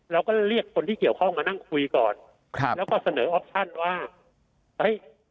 เราก็เรียกคนที่เกี่ยวข้องมานั่งคุยก่อนครับแล้วก็เสนอออปชั่นว่าเฮ้ย